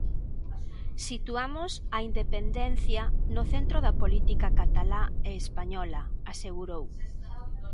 Situamos a independencia no centro da política catalá e española, asegurou.